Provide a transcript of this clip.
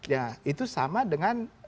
ya itu sama dengan